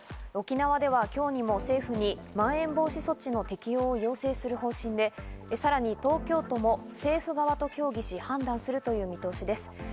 沖縄では今日にも政府にまん延防止等重点措置の適用を要請する方針で、さらに東京都も政府側と協議し判断するという見通しです。